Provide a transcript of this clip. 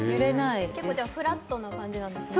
じゃあ、結構フラットな感じなんですね。